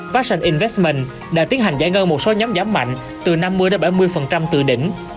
passion investment đã tiến hành giải ngân một số nhóm giảm mạnh từ năm mươi đến bảy mươi từ đỉnh